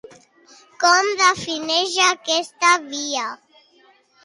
Com defineix aquesta via?